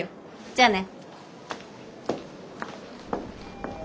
じゃあね。